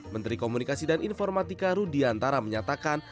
menteri komunikasi dan informatika rudi antara menyatakan